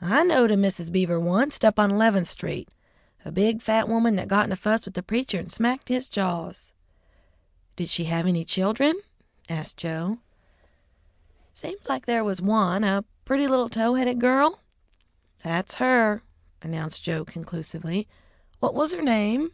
"I knowed a Mrs. Beaver wunst, up on Eleventh Street a big, fat woman that got in a fuss with the preacher and smacked his jaws." "Did she have any children?" asked Joe. "Seems like there was one, a pretty little tow headed girl." "That's her," announced Joe conclusively. "What was her name?"